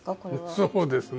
そうですね。